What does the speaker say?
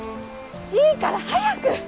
いいから早く！